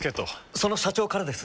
その社長からです。